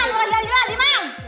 diman luar jalan juga diman